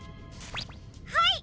はい！